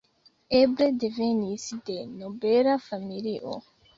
Eble devenis de nobela familio.